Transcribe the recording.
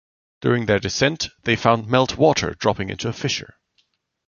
During their descent, they found melt water dropping into a fissure.